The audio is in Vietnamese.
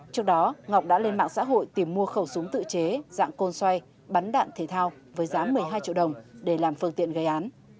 trước đó ngọc đã lên mạng xã hội tìm mua khẩu súng tự chế dạng côn xoay bắn đạn thể thao với giá một mươi hai triệu đồng để làm phương tiện gây án